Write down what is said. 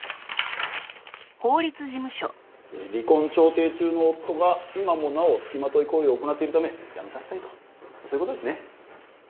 離婚調停中の夫が今もなお付きまとい行為を行っているためやめさせたいとそういうことですね？